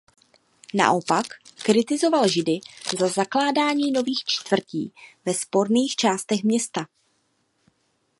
Naopak kritizoval Židy za zakládání nových čtvrtí ve sporných částech města.